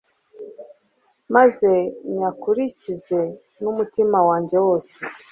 maze nyakurikize n’umutima wanjye wose